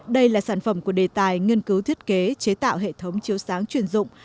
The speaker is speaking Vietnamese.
đây là sản phẩm của đề tài nghiên cứu thiết kế chế tạo hệ thống chiếu sáng chuyên dụng